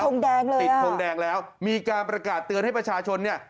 แดงเลยติดทงแดงแล้วมีการประกาศเตือนให้ประชาชนเนี่ย